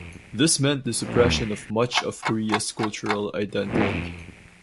This meant the suppression of much of Korea's cultural identity.